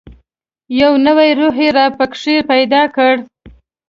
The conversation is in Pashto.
یو نوی روح یې را پکښې پیدا کړ.